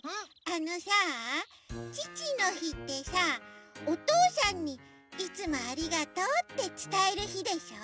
あのさちちのひってさおとうさんに「いつもありがとう」ってつたえるひでしょ？